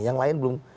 yang lain belum